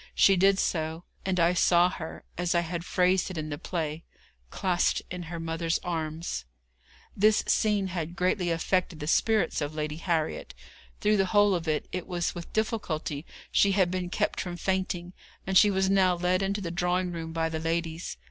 She did so, and I saw her, as I had phrased it in the play, 'clasped in her mother's arms.' This scene had greatly affected the spirits of Lady Harriet. Through the whole of it, it was with difficulty she had been kept from fainting, and she was now led into the drawing room by the ladies.